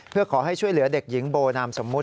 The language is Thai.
เพื่อขอให้ช่วยเหลือเด็กหญิงโบนามสมมุติ